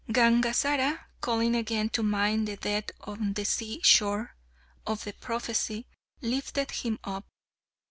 Gangazara, calling again to mind the "DEATH ON THE SEA SHORE" of the prophecy lifted him up.